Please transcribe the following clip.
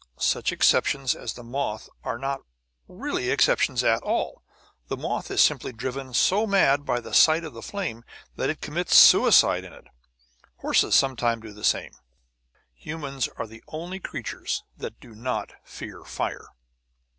Such exceptions as the moth are really not exceptions at all; the moth is simply driven so mad by the sight of flame that it commits suicide in it. Horses sometimes do the same. "Humans are the only creatures that do not fear fire!